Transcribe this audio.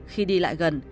khi đi lại gần